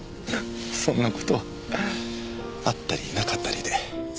そんな事あったりなかったりで。